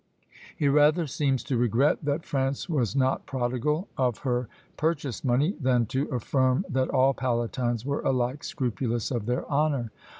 He rather seems to regret that France was not prodigal of her purchase money, than to affirm that all palatines were alike scrupulous of their honour.